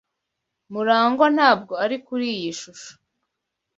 Murangwa ntabwo ari kuri iyi shusho.